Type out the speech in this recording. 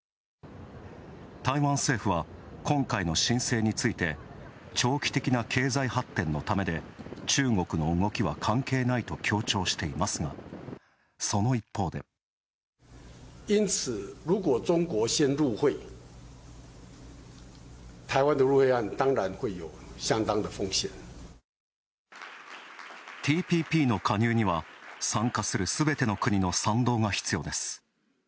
台湾政府は今回の申請について長期的な経済発展のためで、中国の動きは関係ないと強調していますがその一方で。ＴＰＰの加入には参加するすべての国の賛同が必要です。